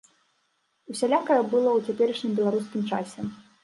Усялякае было ў цяперашнім беларускім часе.